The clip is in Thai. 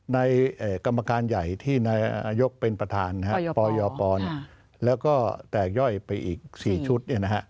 ในกรรมการใหญ่ที่นายกเป็นประธานปยปแล้วก็แตกย่อยไปอีก๔ชุด